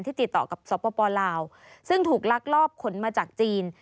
ติดต่อกับสปลาวซึ่งถูกลักลอบขนมาจากจีน